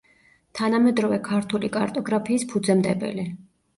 თანამედროვე ქართული კარტოგრაფიის ფუძემდებელი.